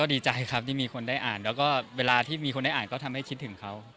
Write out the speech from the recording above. ดีใจครับที่มีคนได้อ่านแล้วก็เวลาที่มีคนได้อ่านก็ทำให้คิดถึงเขา